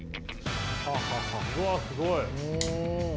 うわすごい。